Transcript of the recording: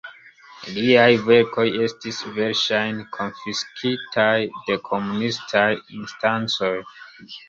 Liaj verkoj estis verŝajne konfiskitaj de komunistaj instancoj.